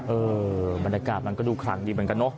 เออบรรยากาศมันก็ดูคลังดีเหมือนกันเนอะ